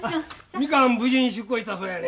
みかん無事に出航したそうやね。